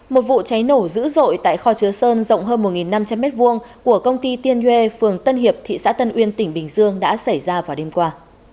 một vụ cháy nổ dữ dội tại kho chứa sơn rộng hơn một năm trăm linh m hai của công ty tiên duê phường tân hiệp thị xã tân uyên tỉnh bình dương đã xảy ra vào đêm qua